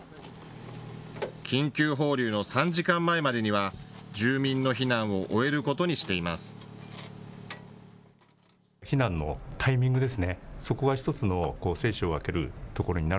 緊急放流の３時間前までには住民の避難を終えることにしています。